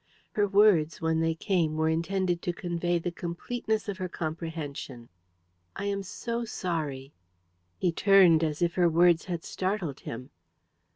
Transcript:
Her words, when they came, were intended to convey the completeness of her comprehension. "I am so sorry." He turned, as if her words had startled him.